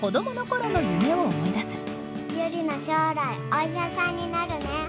将来お医者さんになるね。